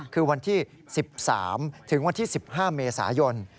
คือวันที่๑๓ถึงวันที่๑๕เมษายน